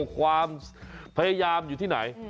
ความพยายามอยู่ที่ไหน